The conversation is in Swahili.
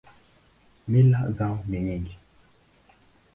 Mila zao ni nyingi.